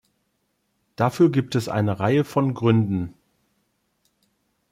Dafür gibt es eine Reihe von Gründen.